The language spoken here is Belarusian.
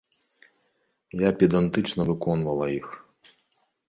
Я педантычна выконвала іх.